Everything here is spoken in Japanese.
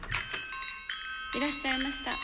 いらっしゃいました。